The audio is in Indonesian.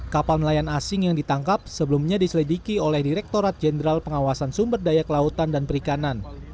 kapal nelayan asing yang ditangkap sebelumnya diselidiki oleh direktorat jenderal pengawasan sumber daya kelautan dan perikanan